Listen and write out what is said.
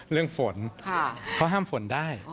เรื่องฝนเขาห้ามฝนได้